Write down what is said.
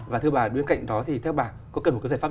và thưa bà bên cạnh đó thì theo bà có cần một cái giải pháp